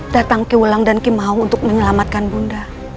datang kiulang dan ki mahau untuk menyelamatkan bunda